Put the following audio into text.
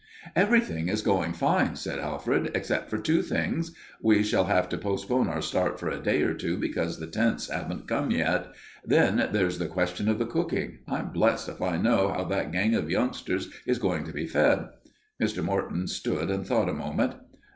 "Everything is going finely," said Alfred, "except for two things. We shall have to postpone our start for a day or two because the tents haven't come yet. Then there's the question of the cooking. I'm blessed if I know how that gang of youngsters is going to be fed." Mr. Morton stood and thought a moment.